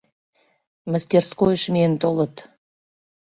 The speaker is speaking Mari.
Мастерскойыш миен толыт.